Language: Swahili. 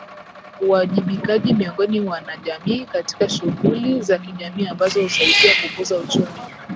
Uwajibikaji miongoni mwa wanajamii katika shughuli za kijamii ambazo husaidia kukuza uchumi